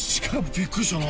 びっくりしたな。